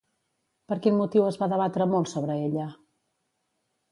Per quin motiu es va debatre molt sobre ella?